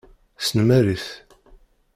Snemmer-it.